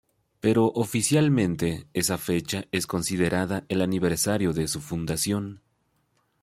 Pero oficialmente esa fecha es considerada el aniversario de su fundación.